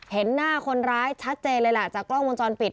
เห็นหน้าคนร้ายชัดเจนเลยล่ะจากกล้องวงจรปิด